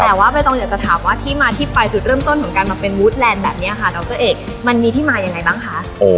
แต่ว่าใบตองอยากจะถามว่าที่มาที่ไปจุดเริ่มต้นของการมาเป็นวูดแลนด์แบบนี้ค่ะดรเอกมันมีที่มายังไงบ้างคะ